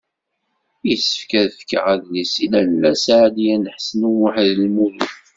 Yessefk ad fkeɣ adlis-a i Lalla Seɛdiya n Ḥsen u Muḥ Lmlud.